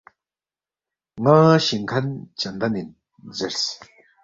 ن٘ا شِنگ کھن چندن اِن زیرس